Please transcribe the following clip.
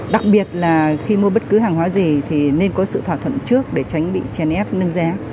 đặc biệt là khi mua bất cứ hàng hóa gì thì nên có sự thỏa thuận trước để tránh bị chèn ép nâng giá